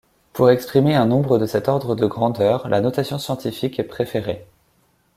Pour exprimer un nombre de cet ordre de grandeur, la notation scientifique est préférée.